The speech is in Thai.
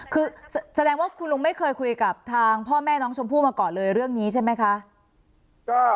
คือแสดงว่าคุณลุงไม่เคยคุยกับทางพ่อแม่น้องชมพู่มาก่อนเลยเรื่องนี้ใช่ไหมคะ